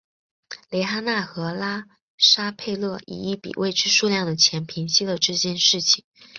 蕾哈娜和拉沙佩勒以一笔未知数量的钱平息了这件事情。